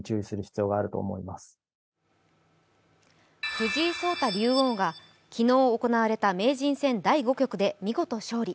藤井聡太竜王が昨日、行われた名人戦で見事勝利。